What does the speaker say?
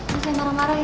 jangan marah marah ya